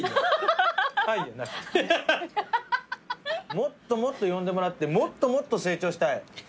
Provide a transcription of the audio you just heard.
もっともっと呼んでもらってもっともっと成長したい。